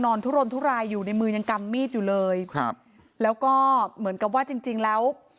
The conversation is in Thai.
ทุรนทุรายอยู่ในมือยังกำมีดอยู่เลยครับแล้วก็เหมือนกับว่าจริงจริงแล้ว